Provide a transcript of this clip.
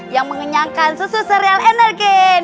yang mengenyangkan susu serial energi